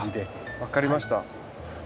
分かりました。